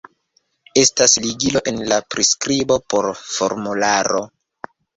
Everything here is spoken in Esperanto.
Estas ligilo en la priskribo por formularo